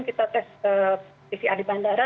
kita tes di bandara